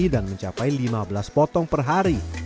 dan mencapai lima belas potong perhari